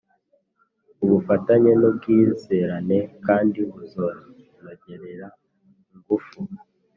ubufatanye n'ubwizerane kandi buzanongerera ingufu